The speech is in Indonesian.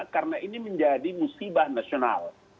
karena ini menjadi musibah nasional